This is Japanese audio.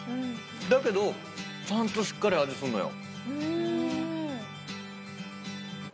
だけどちゃんとしっかり味すんのよ。